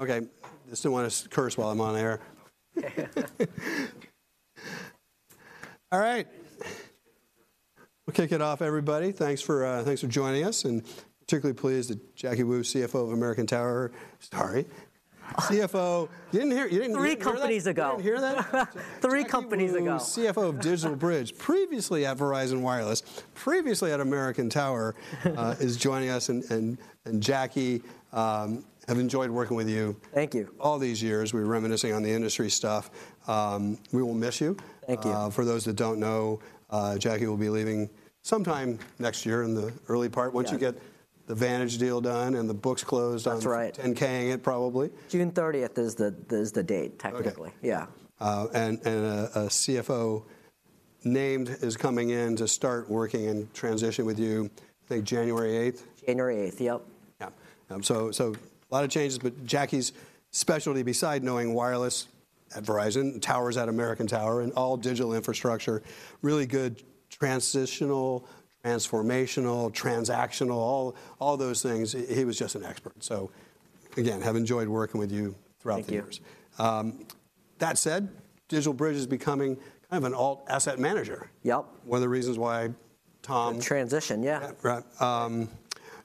Okay, just didn't wanna curse while I'm on air. All right, we'll kick it off, everybody. Thanks for joining us, and particularly pleased that Jacky Wu, CFO of DigitalBridge... Sorry, CFO. You didn't hear, you didn't- Three companies ago. You didn't hear that? Three companies ago. CFO of DigitalBridge, previously at Verizon Wireless, previously at American Tower, is joining us, and Jacky, have enjoyed working with you- Thank you... all these years. We were reminiscing on the industry stuff. We will miss you. Thank you. For those that don't know, Jacky will be leaving sometime next year in the early part- Yeah... once you get the Vantage deal done, and the books closed on- That's right 10-K-ing it, probably. June 30th is the date, technically. Okay. Yeah. A CFO named is coming in to start working in transition with you, I think January 8th. January 8th, yep. Yeah. So a lot of changes, but Jacky's specialty, beside knowing wireless at Verizon, towers at American Tower, and all digital infrastructure, really good transitional, transformational, transactional, all those things, he was just an expert. So again, have enjoyed working with you throughout the years. Thank you. That said, DigitalBridge is becoming kind of an alt asset manager. Yep. One of the reasons why Tom- The transition, yeah. Yeah, right.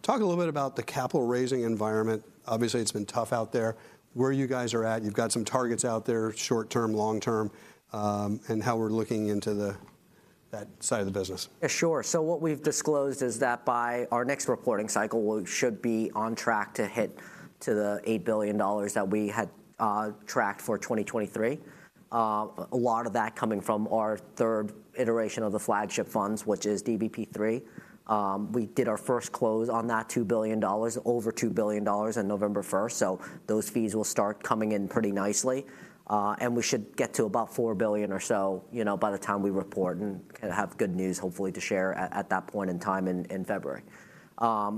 Talk a little bit about the capital raising environment. Obviously, it's been tough out there, where you guys are at. You've got some targets out there, short term, long term, and how we're looking into the that side of the business. Yeah, sure. So what we've disclosed is that by our next reporting cycle, we should be on track to hit to the $8 billion that we had tracked for 2023. A lot of that coming from our third iteration of the flagship funds, which is DBP III. We did our first close on that $2 billion, over $2 billion on November 1st, so those fees will start coming in pretty nicely. And we should get to about $4 billion or so, you know, by the time we report, and kinda have good news hopefully to share at that point in time in February.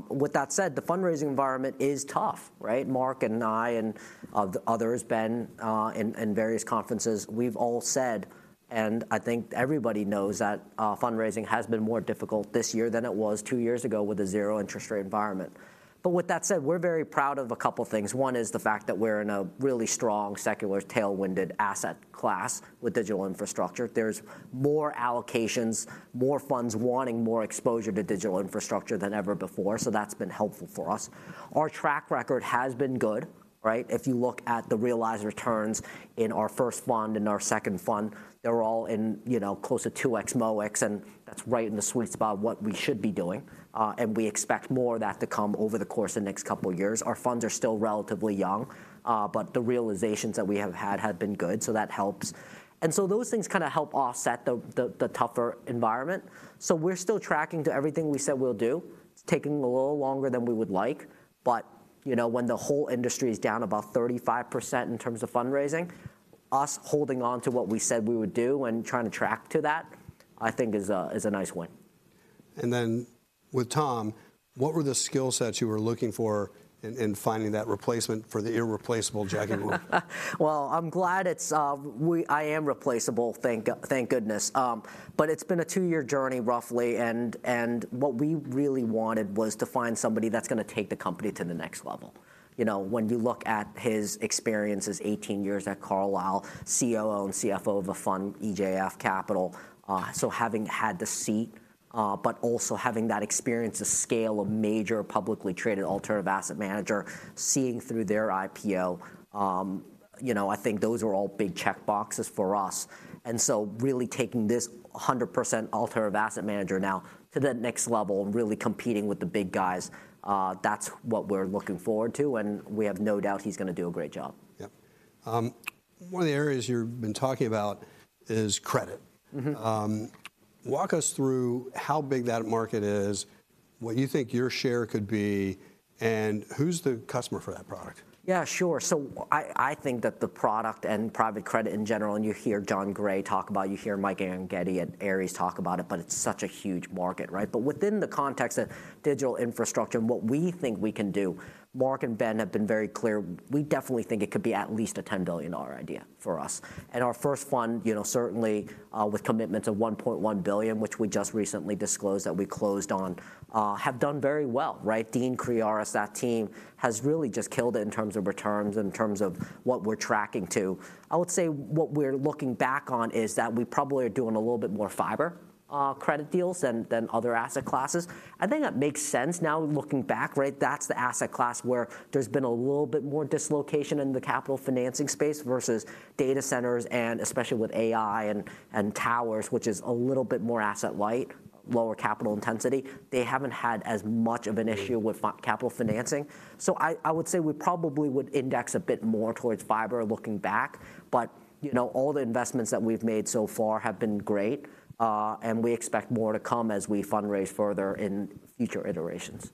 With that said, the fundraising environment is tough, right? Marc and I, and others, Ben, in various conferences, we've all said, and I think everybody knows, that fundraising has been more difficult this year than it was two years ago with a zero interest rate environment. But with that said, we're very proud of a couple things: One is the fact that we're in a really strong, secular, tailwinded asset class with digital infrastructure. There's more allocations, more funds wanting more exposure to digital infrastructure than ever before, so that's been helpful for us. Our track record has been good, right? If you look at the realized returns in our first fund and our second fund, they're all in, you know, close to 2x MOIC, and that's right in the sweet spot of what we should be doing. We expect more of that to come over the course of the next couple of years. Our funds are still relatively young, but the realizations that we have had have been good, so that helps. So those things kinda help offset the tougher environment. We're still tracking to everything we said we'll do. It's taking a little longer than we would like, but, you know, when the whole industry is down about 35% in terms of fundraising, us holding on to what we said we would do and trying to track to that, I think is a nice win. And then with Tom, what were the skill sets you were looking for in finding that replacement for the irreplaceable Jacky Wu? Well, I'm glad it's... I am replaceable, thank goodness. But it's been a two-year journey, roughly, and what we really wanted was to find somebody that's gonna take the company to the next level. You know, when you look at his experience, his 18 years at Carlyle, COO and CFO of a fund, EJF Capital. So having had the seat, but also having that experience, the scale of major publicly traded alternative asset manager, seeing through their IPO, you know, I think those are all big checkboxes for us. And so really taking this 100% alternative asset manager now to that next level, and really competing with the big guys, that's what we're looking forward to, and we have no doubt he's gonna do a great job. Yep. One of the areas you've been talking about is credit. Mm-hmm. Walk us through how big that market is, what you think your share could be, and who's the customer for that product? Yeah, sure. So I, I think that the product and private credit in general, and you hear John Gray talk about it, you hear Mike Arougheti at Ares talk about it, but it's such a huge market, right? But within the context of digital infrastructure and what we think we can do, Marc and Ben have been very clear, we definitely think it could be at least a $10 billion idea for us. And our first fund, you know, certainly, with commitment to $1.1 billion, which we just recently disclosed that we closed on, have done very well, right? Dean Criares, that team, has really just killed it in terms of returns, in terms of what we're tracking to. I would say what we're looking back on is that we probably are doing a little bit more fiber credit deals than other asset classes. I think that makes sense now, looking back, right? That's the asset class where there's been a little bit more dislocation in the capital financing space versus data centers, and especially with AI and towers, which is a little bit more asset light, lower capital intensity. They haven't had as much of an issue with capital financing. So I would say we probably would index a bit more towards fiber looking back, but you know, all the investments that we've made so far have been great, and we expect more to come as we fundraise further in future iterations.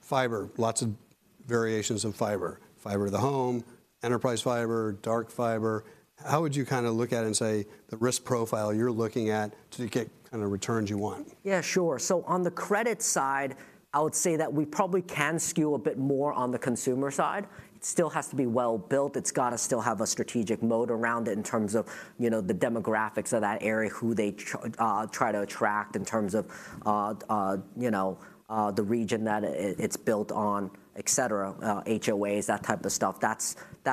Fiber, lots of variations of fiber: fiber to the home, enterprise fiber, dark fiber. How would you kinda look at it and say the risk profile you're looking at to get kinda the returns you want? Yeah, sure. So on the credit side, I would say that we probably can skew a bit more on the consumer side. It still has to be well-built. It's gotta still have a strategic moat around it in terms of, you know, the demographics of that area, who they try to attract in terms of, you know, the region that it, it's built on, et cetera, HOAs, that type of stuff, that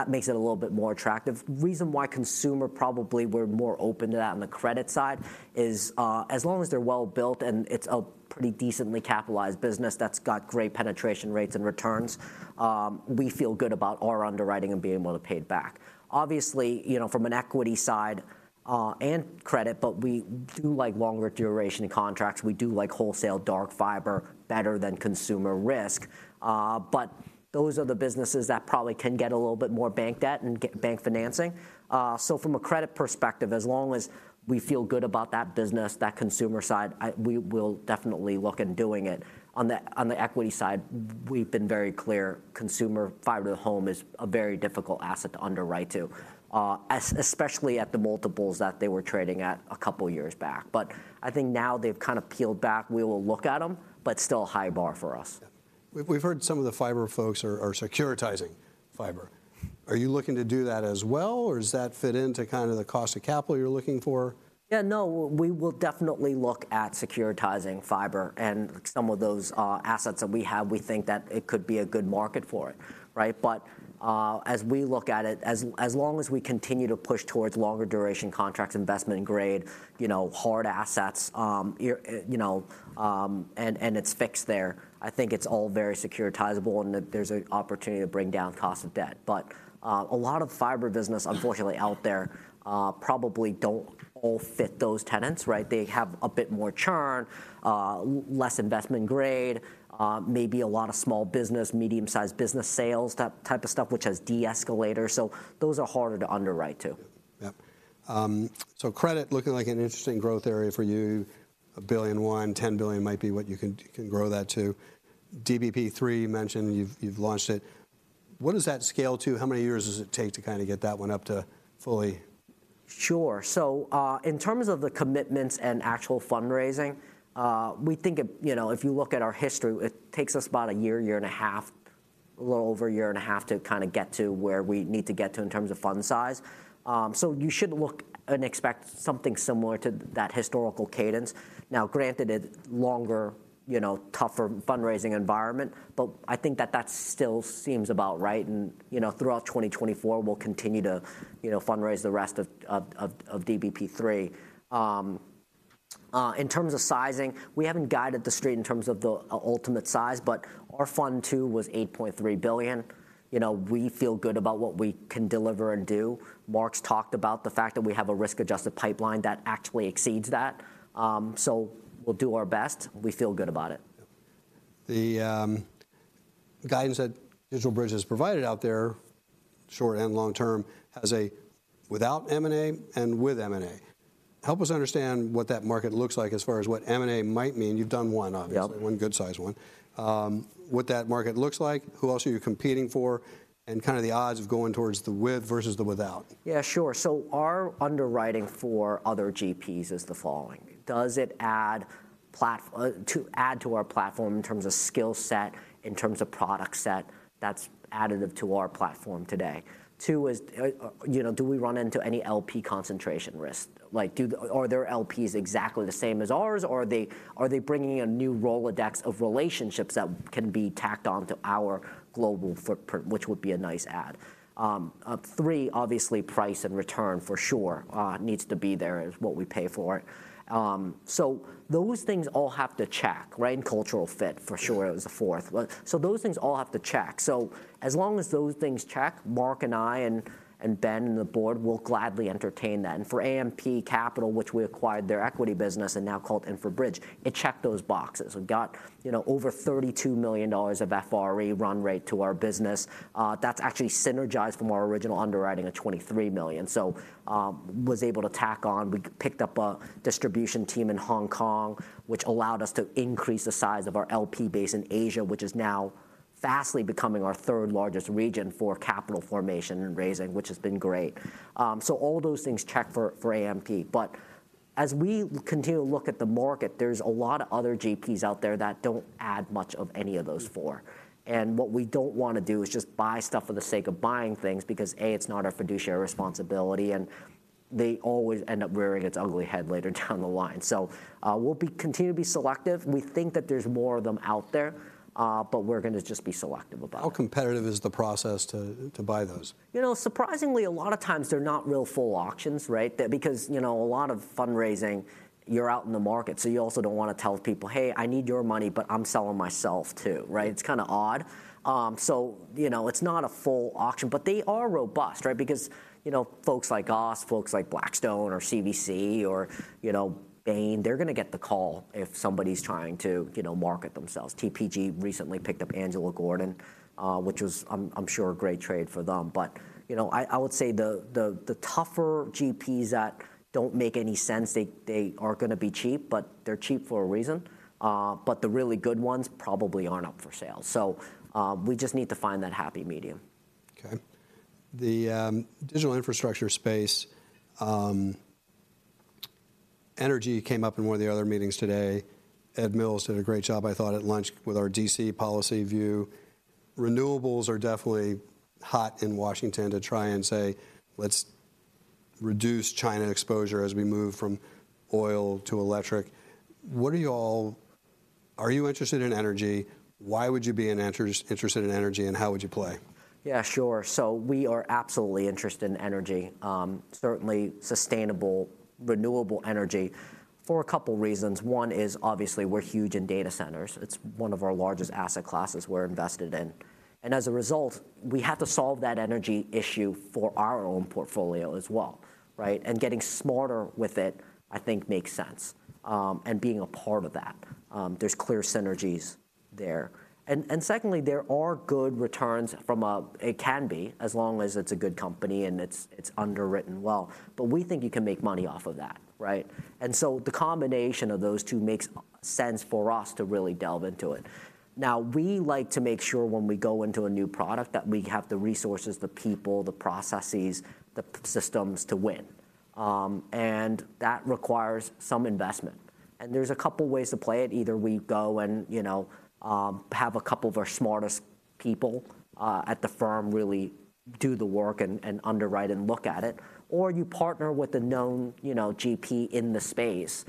makes it a little bit more attractive. Reason why consumer probably we're more open to that on the credit side is, as long as they're well-built, and it's a pretty decently capitalized business that's got great penetration rates and returns, we feel good about our underwriting and being able to pay it back. Obviously, you know, from an equity side, and credit, but we do like longer duration contracts, we do like wholesale dark fiber better than consumer risk. But those are the businesses that probably can get a little bit more bank debt and bank financing. So from a credit perspective, as long as we feel good about that business, that consumer side, we will definitely look at doing it. On the, on the equity side, we've been very clear, consumer fiber to the home is a very difficult asset to underwrite to. Especially at the multiples that they were trading at a couple of years back. But I think now they've kind of peeled back. We will look at them, but still a high bar for us. Yeah. We've heard some of the fiber folks are securitizing fiber. Are you looking to do that as well, or does that fit into kind of the cost of capital you're looking for? Yeah, no, we will definitely look at securitizing fiber and some of those, assets that we have. We think that it could be a good market for it, right? But, as we look at it, as long as we continue to push towards longer duration contracts, investment-grade, you know, hard assets, you're, you know, and, and it's fixed there, I think it's all very securitizable, and that there's an opportunity to bring down cost of debt. But, a lot of fiber business, unfortunately, out there, probably don't all fit those tenets, right? They have a bit more churn, less investment grade, maybe a lot of small business, medium-sized business sales, that type of stuff, which has de-escalator, so those are harder to underwrite to. Yeah. So credit looking like an interesting growth area for you. $1 billion-$10 billion might be what you can grow that to. DBP III, you mentioned you've launched it. What does that scale to? How many years does it take to kinda get that one up to fully? Sure. So, in terms of the commitments and actual fundraising, we think of, you know, if you look at our history, it takes us about a year, year and a half, a little over a year and a half, to kinda get to where we need to get to in terms of fund size. So you should look and expect something similar to that historical cadence. Now, granted, it's longer, you know, tougher fundraising environment, but I think that that still seems about right. And, you know, throughout 2024, we'll continue to, you know, fundraise the rest of DBP III. In terms of sizing, we haven't guided the street in terms of the ultimate size, but our fund two was $8.3 billion. You know, we feel good about what we can deliver and do. Marc's talked about the fact that we have a risk-adjusted pipeline that actually exceeds that. So we'll do our best. We feel good about it. The guidance that DigitalBridge has provided out there, short and long term, has a without M&A and with M&A. Help us understand what that market looks like as far as what M&A might mean. You've done one, obviously- Yep... one good-sized one. What that market looks like, who else are you competing for, and kind of the odds of going towards the with versus the without? Yeah, sure. So our underwriting for other GPs is the following: Does it add to our platform in terms of skill set, in terms of product set, that's additive to our platform today? Two, you know, do we run into any LP concentration risk? Like, are their LPs exactly the same as ours, or are they bringing a new Rolodex of relationships that can be tacked on to our global footprint, which would be a nice add? Three, obviously, price and return for sure needs to be there as what we pay for it. So those things all have to check, right? And cultural fit, for sure, it was the fourth one. So those things all have to check. So as long as those things check, Marc and I, and Ben, and the board will gladly entertain that. And for AMP Capital, which we acquired their equity business and now called InfraBridge, it checked those boxes. We got, you know, over $32 million of FRE run rate to our business. That's actually synergized from our original underwriting of $23 million. So was able to tack on... We picked up a distribution team in Hong Kong, which allowed us to increase the size of our LP base in Asia, which is now fast becoming our third largest region for capital formation and raising, which has been great. So all those things check for AMP, but as we continue to look at the market, there's a lot of other GPs out there that don't add much of any of those four. What we don't wanna do is just buy stuff for the sake of buying things, because, A, it's not our fiduciary responsibility, and they always end up rearing its ugly head later down the line. So, we'll continue to be selective. We think that there's more of them out there, but we're gonna just be selective about it. How competitive is the process to buy those? You know, surprisingly, a lot of times, they're not real full auctions, right? Because, you know, a lot of fundraising, you're out in the market, so you also don't wanna tell people, "Hey, I need your money, but I'm selling myself too," right? It's kinda odd. So you know, it's not a full auction, but they are robust, right? Because, you know, folks like us, folks like Blackstone or CVC or, you know, Bain, they're gonna get the call if somebody's trying to, you know, market themselves. TPG recently picked up Angelo Gordon, which was, I'm sure, a great trade for them. But, you know, I would say the tougher GPs that don't make any sense, they are gonna be cheap, but they're cheap for a reason. But the really good ones probably aren't up for sale, so we just need to find that happy medium. Okay. The digital infrastructure space, energy came up in one of the other meetings today. Ed Mills did a great job, I thought, at lunch, with our D.C. policy view. Renewables are definitely hot in Washington to try and say, "Let's reduce China exposure as we move from oil to electric." What are you all—are you interested in energy? Why would you be interested in energy, and how would you play? Yeah, sure. So we are absolutely interested in energy, certainly sustainable, renewable energy, for a couple reasons. One is, obviously, we're huge in data centers. It's one of our largest asset classes we're invested in. And as a result, we have to solve that energy issue for our own portfolio as well, right? And getting smarter with it, I think, makes sense, and being a part of that. There's clear synergies there. And secondly, there are good returns from a, it can be, as long as it's a good company and it's underwritten well. But we think you can make money off of that, right? And so the combination of those two makes sense for us to really delve into it. Now, we like to make sure when we go into a new product, that we have the resources, the people, the processes, the systems to win. That requires some investment. There's a couple ways to play it. Either we go and, you know, have a couple of our smartest people at the firm really do the work and underwrite and look at it, or you partner with a known, you know, GP in the space,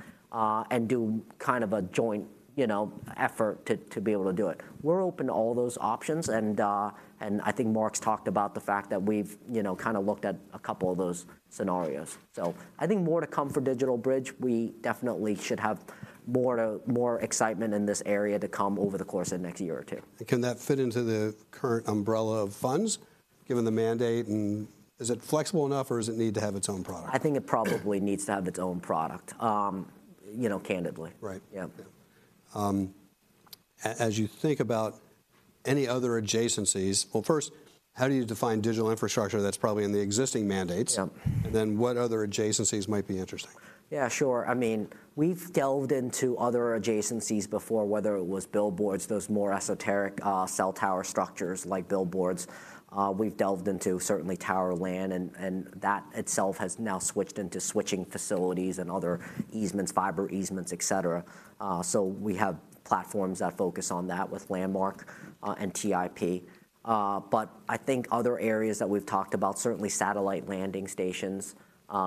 and do kind of a joint, you know, effort to be able to do it. We're open to all those options, and I think Marc's talked about the fact that we've, you know, kinda looked at a couple of those scenarios. So I think more to come from DigitalBridge. We definitely should have more excitement in this area to come over the course of the next year or two. Can that fit into the current umbrella of funds, given the mandate and... Is it flexible enough, or does it need to have its own product? I think it probably needs to have its own product, you know, candidly. Right. Yeah. As you think about any other adjacencies. Well, first, how do you define digital infrastructure that's probably in the existing mandates? Yep. What other adjacencies might be interesting? Yeah, sure. I mean, we've delved into other adjacencies before, whether it was billboards, those more esoteric, cell tower structures, like billboards. We've delved into, certainly, tower land, and, and that itself has now switched into switching facilities and other easements, fiber easements, et cetera. So we have platforms that focus on that with Landmark and TIP. But I think other areas that we've talked about, certainly satellite landing stations,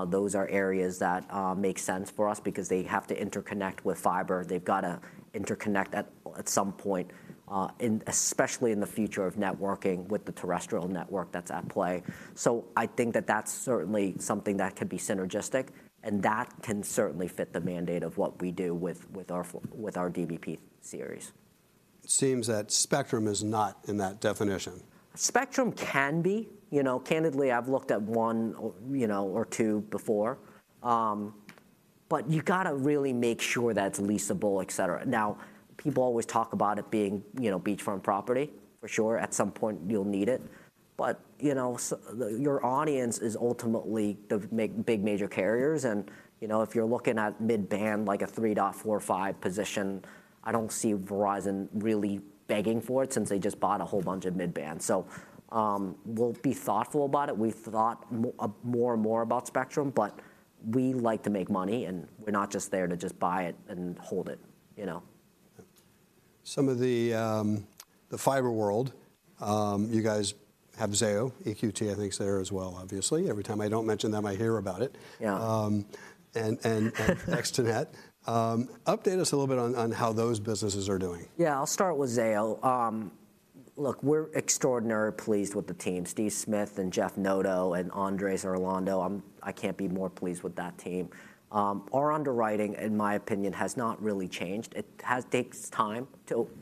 those are areas that make sense for us because they have to interconnect with fiber. They've got to interconnect at some point, especially in the future of networking with the terrestrial network that's at play. So I think that that's certainly something that could be synergistic, and that can certainly fit the mandate of what we do with our DBP series. It seems that spectrum is not in that definition. Spectrum can be. You know, candidly, I've looked at one or, you know, or two before. But you've got to really make sure that it's leasable, et cetera. Now, people always talk about it being, you know, beachfront property. For sure, at some point you'll need it, but, you know, your audience is ultimately the major carriers, and, you know, if you're looking at mid-band, like a 3.45 position, I don't see Verizon really begging for it since they just bought a whole bunch of mid-band. So, we'll be thoughtful about it. We've thought more and more about spectrum, but we like to make money, and we're not just there to just buy it and hold it, you know? Some of the, the fiber world, you guys have Zayo. EQT, I think, is there as well, obviously. Every time I don't mention them, I hear about it. Yeah. ExteNet. Update us a little bit on how those businesses are doing. Yeah, I'll start with Zayo. Look, we're extraordinarily pleased with the team. Steve Smith and Jeff Noto and Andres Irlando, I can't be more pleased with that team. Our underwriting, in my opinion, has not really changed. It takes time.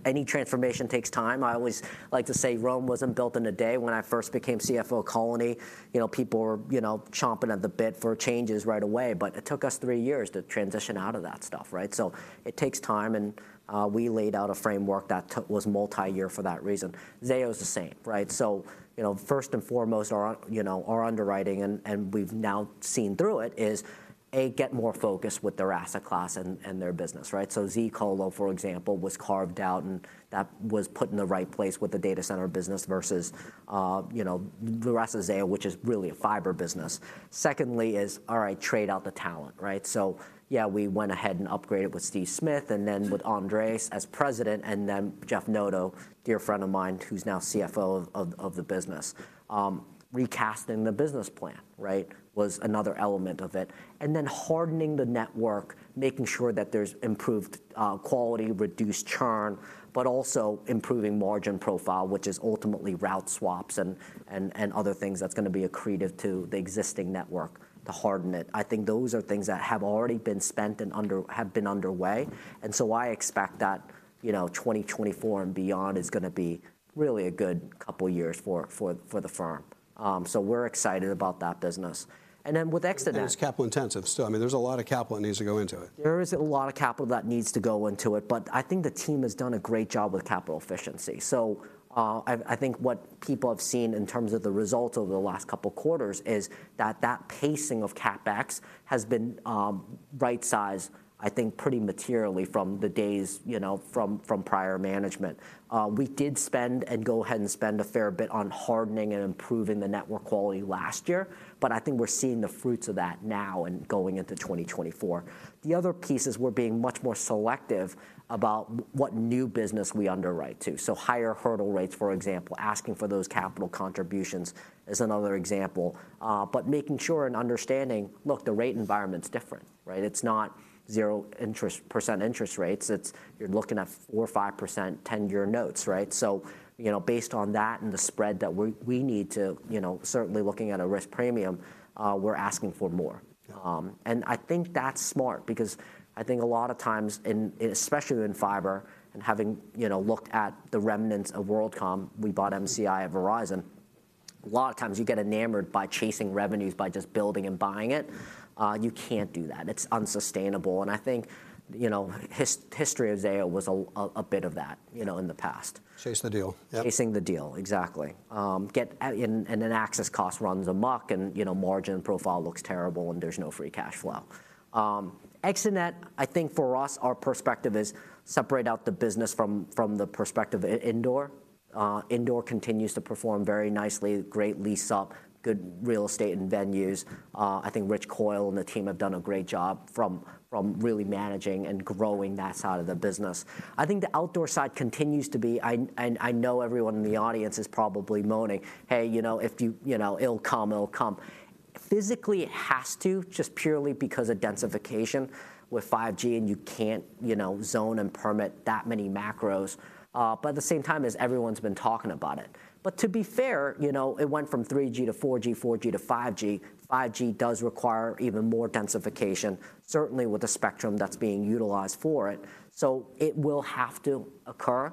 Any transformation takes time. I always like to say, "Rome wasn't built in a day," when I first became CFO at Colony. You know, people were, you know, chomping at the bit for changes right away, but it took us three years to transition out of that stuff, right? So it takes time, and we laid out a framework that was multi-year for that reason. Zayo is the same, right? So, you know, first and foremost, our, you know, our underwriting, and, and we've now seen through it, is, A, get more focus with their asset class and, and their business, right? So zColo, for example, was carved out, and that was put in the right place with the data center business versus, you know, the rest of Zayo, which is really a fiber business. Secondly is, all right, trade out the talent, right? So yeah, we went ahead and upgraded with Steve Smith, and then with Andrés as President, and then Jeff Noto, dear friend of mine, who's now CFO of, of, of the business. Recasting the business plan, right? Was another element of it. And then hardening the network, making sure that there's improved quality, reduced churn, but also improving margin profile, which is ultimately route swaps and, and, and other things that's gonna be accretive to the existing network to harden it. I think those are things that have already been spent and have been underway, and so I expect that, you know, 2024 and beyond is gonna be really a good couple of years for the firm. So we're excited about that business. And then with ExteNet- It's capital-intensive still. I mean, there's a lot of capital that needs to go into it. There is a lot of capital that needs to go into it, but I think the team has done a great job with capital efficiency. So, I think what people have seen in terms of the results over the last couple of quarters is that that pacing of CapEx has been right-sized, I think, pretty materially from the days, you know, from prior management. We did spend and go ahead and spend a fair bit on hardening and improving the network quality last year, but I think we're seeing the fruits of that now and going into 2024. The other piece is we're being much more selective about what new business we underwrite, too. So higher hurdle rates, for example, asking for those capital contributions is another example. But making sure and understanding, look, the rate environment's different, right? It's not zero interest-percent interest rates. It's- you're looking at 4% or 5% 10-year notes, right? So, you know, based on that and the spread that we're- we need to, you know, certainly looking at a risk premium, we're asking for more, and I think that's smart because I think a lot of times in, in, especially in fiber, and having, you know, looked at the remnants of WorldCom, we bought MCI at Verizon. A lot of times you get enamored by chasing revenues, by just building and buying it. You can't do that, it's unsustainable. And I think, you know, history of Zayo was a, a, a bit of that, you know, in the past. Chasing the deal. Yep. Chasing the deal, exactly. And then access cost runs amok, and, you know, margin profile looks terrible, and there's no free cash flow. ExteNet, I think for us, our perspective is separate out the business from the perspective of indoor. Indoor continues to perform very nicely, great lease-up, good real estate and venues. I think Rich Coyle and the team have done a great job from really managing and growing that side of the business. I think the outdoor side continues to be... and I know everyone in the audience is probably moaning, "Hey, you know, if you, you know, it'll come, it'll come." Physically, it has to, just purely because of densification with 5G, and you can't, you know, zone and permit that many macros. But at the same time, as everyone's been talking about it. But to be fair, you know, it went from 3G to 4G, 4G to 5G. 5G does require even more densification, certainly with the spectrum that's being utilized for it. So it will have to occur,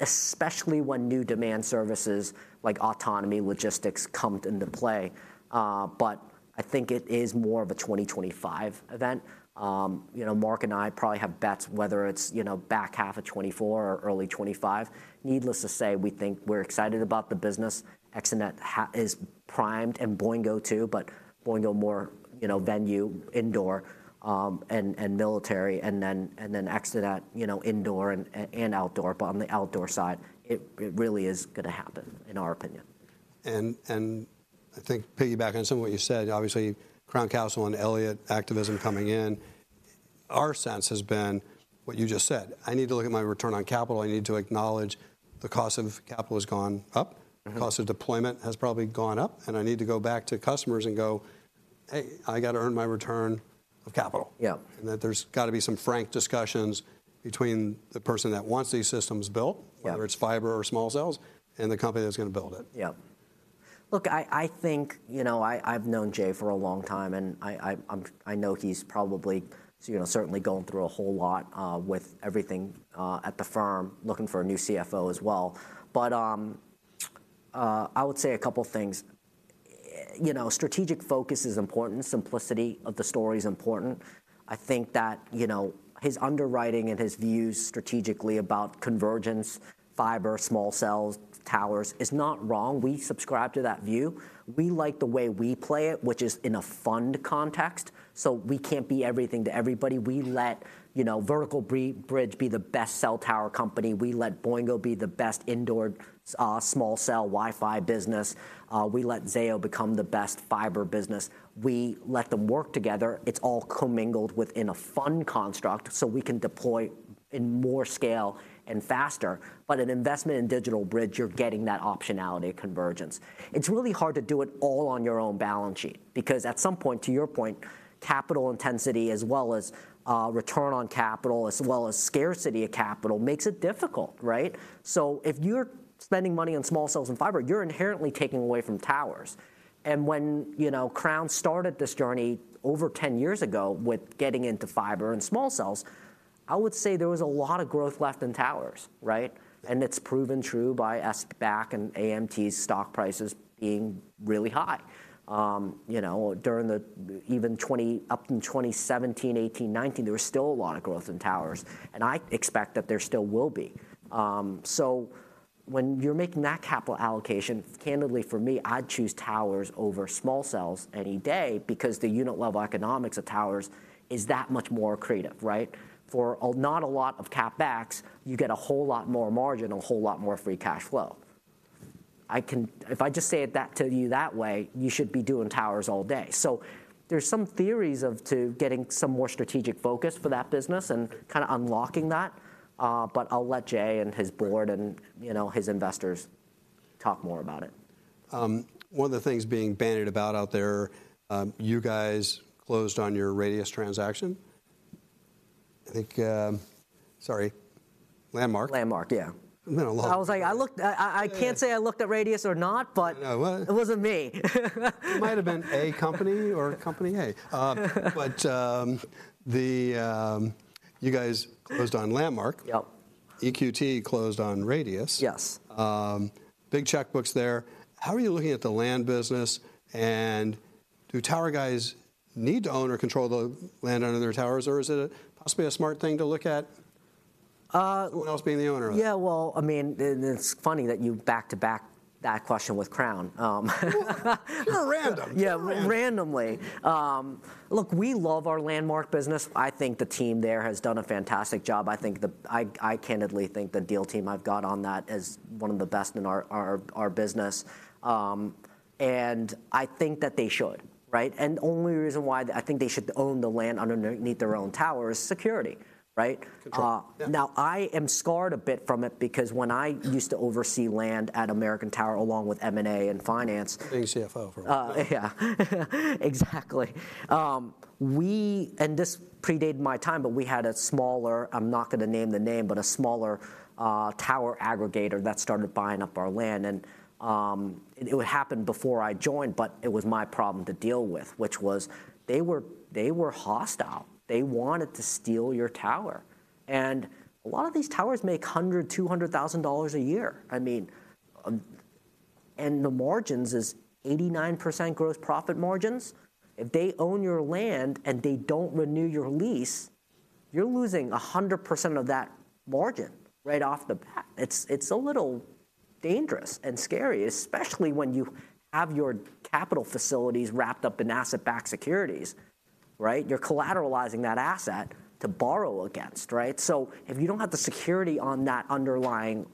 especially when new demand services like autonomy, logistics, come into play. But I think it is more of a 2025 event. You know, Marc and I probably have bets whether it's, you know, back half of '2024 or early '2025. Needless to say, we think we're excited about the business. ExteNet is primed, and Boingo too, but Boingo more, you know, venue, indoor, and, and military, and then, and then ExteNet, you know, indoor and, and outdoor. But on the outdoor side, it, it really is gonna happen, in our opinion. And I think piggyback on some of what you said, obviously, Crown Castle and Elliott activism coming in, our sense has been what you just said, "I need to look at my return on capital. I need to acknowledge the cost of capital has gone up. Mm-hmm. The cost of deployment has probably gone up, and I need to go back to customers and go, 'Hey, I got to earn my return of capital.' Yeah. that there's got to be some frank discussions between the person that wants these systems built- Yeah... whether it's fiber or small cells, and the company that's gonna build it. Yeah. Look, I think, you know, I've known Jay for a long time, and I know he's probably, you know, certainly going through a whole lot with everything at the firm, looking for a new CFO as well. But I would say a couple of things. You know, strategic focus is important, simplicity of the story is important. I think that, you know, his underwriting and his views strategically about convergence, fiber, small cells, towers, is not wrong. We subscribe to that view. We like the way we play it, which is in a fund context, so we can't be everything to everybody. We let, you know, Vertical Bridge be the best cell tower company. We let Boingo be the best indoor small cell Wi-Fi business. We let Zayo become the best fiber business. We let them work together. It's all commingled within a fund construct, so we can deploy in more scale and faster. But an investment in DigitalBridge, you're getting that optionality at convergence. It's really hard to do it all on your own balance sheet because at some point, to your point, capital intensity as well as return on capital, as well as scarcity of capital, makes it difficult, right? So if you're spending money on small cells and fiber, you're inherently taking away from towers. And when, you know, Crown started this journey over 10 years ago with getting into fiber and small cells, I would say there was a lot of growth left in towers, right? And it's proven true by SBA and AMT's stock prices being really high. You know, during the... Even 20, up until 2017, 18, 19, there was still a lot of growth in towers, and I expect that there still will be. So when you're making that capital allocation, candidly, for me, I'd choose towers over small cells any day because the unit-level economics of towers is that much more accretive, right? For not a lot of CapEx, you get a whole lot more margin and a whole lot more free cash flow. If I just say it that to you that way, you should be doing towers all day. So there's some theories of to getting some more strategic focus for that business and kind of unlocking that, but I'll let Jay and his board and, you know, his investors talk more about it. One of the things being bandied about out there, you guys closed on your Radius transaction. I think, sorry, Landmark. Landmark, yeah. It's been a long- I was like, I looked. I can't say I looked at Radius or not, but- No, well-... it wasn't me. It might have been a company or Company A. But, you guys closed on Landmark. Yep. EQT closed on Radius. Yes. Big checkbooks there. How are you looking at the land business, and do tower guys need to own or control the land under their towers, or is it possibly a smart thing to look at? Uh... someone else being the owner of it? Yeah, well, I mean, and it's funny that you back to back that question with Crown. Well, pure random. Yeah. Pure random. Randomly. Look, we love our Landmark business. I think the team there has done a fantastic job. I candidly think the deal team I've got on that is one of the best in our business. And I think that they should, right? Only reason why I think they should own the land underneath their own tower is security, right? Control. Yeah. Now, I am scared a bit from it because when I used to oversee land at American Tower, along with M&A and finance- CFO for, Yeah. Exactly. We, and this predated my time, but we had a smaller, I'm not gonna name the name, but a smaller, tower aggregator that started buying up our land. And, it happened before I joined, but it was my problem to deal with, which was they were, they were hostile. They wanted to steal your tower, and a lot of these towers make $100,000-$200,000 a year. I mean, and the margins is 89% gross profit margins. If they own your land and they don't renew your lease, you're losing 100% of that margin right off the bat. It's, it's a little dangerous and scary, especially when you have your capital facilities wrapped up in asset-backed securities, right? You're collateralizing that asset to borrow against, right? So if you don't have the security on that underlying,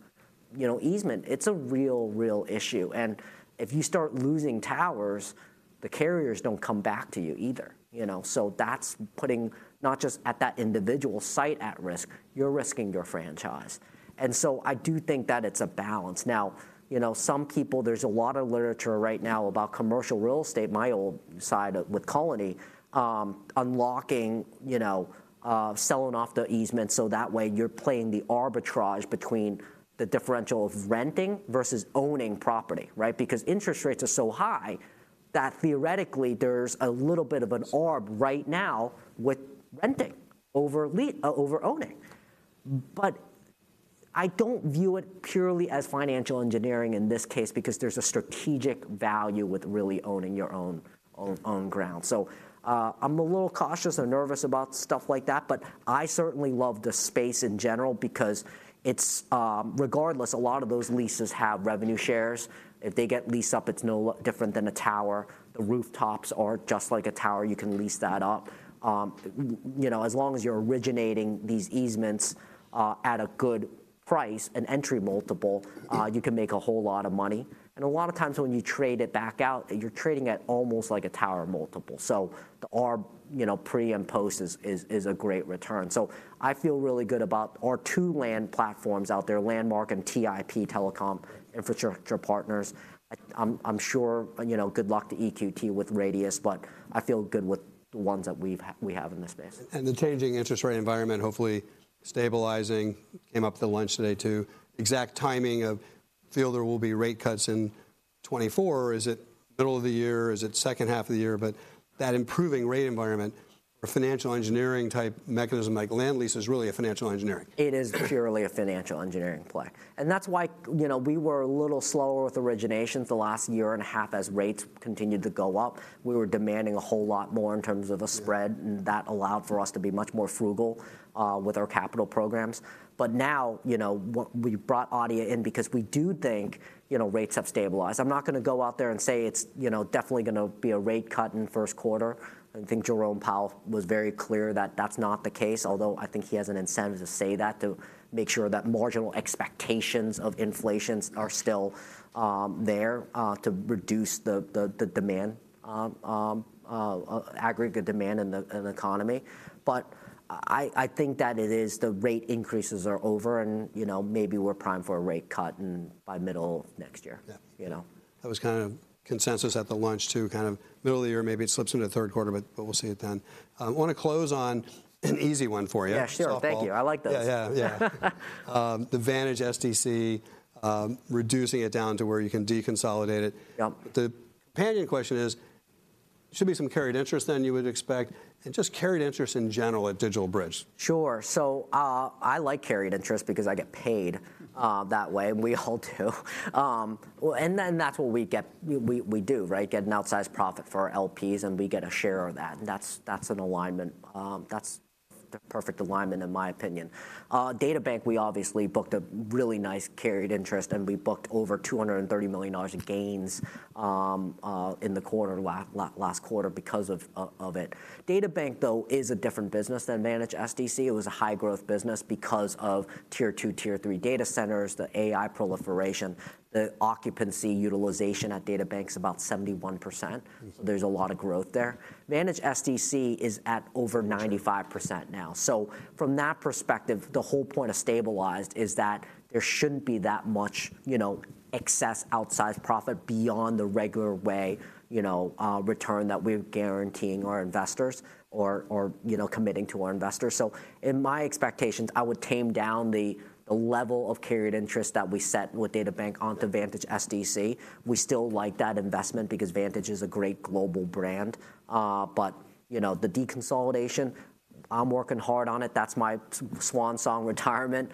you know, easement, it's a real, real issue. And if you start losing towers, the carriers don't come back to you either, you know. So that's putting not just at that individual site at risk, you're risking your franchise. And so I do think that it's a balance. Now, you know, some people... There's a lot of literature right now about commercial real estate, my old side of with Colony, unlocking, you know, selling off the easement, so that way you're playing the arbitrage between the differential of renting versus owning property, right? Because interest rates are so high, that theoretically there's a little bit of an arb right now with renting over owning. But I don't view it purely as financial engineering in this case, because there's a strategic value with really owning your own ground. So, I'm a little cautious and nervous about stuff like that, but I certainly love the space in general because it's... Regardless, a lot of those leases have revenue shares. If they get leased up, it's no different than a tower. The rooftops are just like a tower. You can lease that up. You know, as long as you're originating these easements at a good price and entry multiple- Uh. You can make a whole lot of money. And a lot of times when you trade it back out, you're trading at almost like a tower multiple. So the arb, you know, pre and post is a great return. So I feel really good about our two land platforms out there, Landmark and TIP, Telecom Infrastructure Partners. I'm sure, you know, good luck to EQT with Radius, but I feel good with the ones that we have in the space. The changing interest rate environment, hopefully stabilizing, came up at the lunch today, too. Exact timing of... Feel there will be rate cuts in 2024. Is it middle of the year? Is it second half of the year? But that improving rate environment or financial engineering type mechanism, like land lease, is really a financial engineering. It is purely a financial engineering play, and that's why, you know, we were a little slower with originations the last year and a half. As rates continued to go up, we were demanding a whole lot more in terms of the spread- Yeah... and that allowed for us to be much more frugal with our capital programs. But now, you know, we brought Ardea in because we do think, you know, rates have stabilized. I'm not gonna go out there and say it's, you know, definitely gonna be a rate cut in first quarter. I think Jerome Powell was very clear that that's not the case, although I think he has an incentive to say that, to make sure that marginal expectations of inflation are still there to reduce the aggregate demand in the economy. But I think that it is, the rate increases are over and, you know, maybe we're primed for a rate cut in, by middle of next year. Yeah. You know? That was kind of consensus at the lunch, too. Kind of middle of the year, maybe it slips into the third quarter, but we'll see it then. I want to close on an easy one for you. Yeah, sure. So, well- Thank you. I like those. Yeah, yeah, yeah. The Vantage data centers, reducing it down to where you can deconsolidate it. Yep. The opinion question is, should be some carried interest then you would expect, and just carried interest in general at DigitalBridge. Sure. So, I like carried interest because I get paid that way, and we all do. And then that's what we get—we do, right? Get an outsized profit for our LPs, and we get a share of that, and that's an alignment. That's the perfect alignment in my opinion. DataBank, we obviously booked a really nice carried interest, and we booked over $230 million in gains in the quarter, last quarter because of it. DataBank, though, is a different business than Vantage SDC. It was a high-growth business because of tier two, tier three data centers, the AI proliferation. The occupancy utilization at DataBank is about 71%. Mm. There's a lot of growth there. Vantage SDC is at over 95% now. From that perspective, the whole point of stabilized is that there shouldn't be that much, you know, excess, outsized profit beyond the regular way, you know, return that we're guaranteeing our investors or, or, you know, committing to our investors. In my expectations, I would tame down the, the level of carried interest that we set with DataBank onto Vantage SDC. We still like that investment because Vantage is a great global brand. But, you know, the deconsolidation, I'm working hard on it. That's my swansong retirement.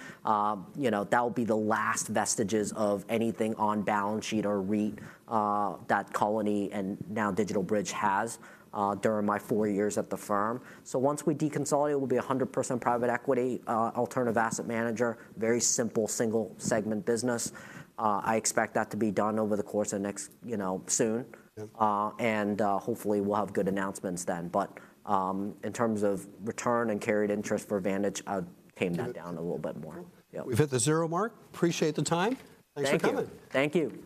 You know, that will be the last vestiges of anything on balance sheet or REIT, that Colony and now DigitalBridge has, during my four years at the firm. Once we deconsolidate, we'll be 100% private equity alternative asset manager, very simple, single segment business. I expect that to be done over the course of the next, you know, soon. Yeah. Hopefully, we'll have good announcements then. In terms of return and carried interest for Vantage, I'd tame that down- Good... a little bit more. Cool. Yeah. We've hit the zero mark. Appreciate the time. Thank you. Thanks for coming. Thank you.